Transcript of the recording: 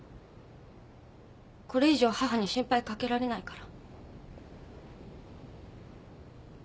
これ以上母に心配かけられないから。